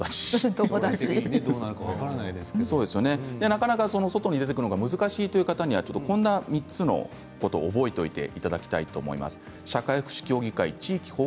なかなか外に出ていくのが難しいという方には３つのことを覚えておいていただきたいと思います。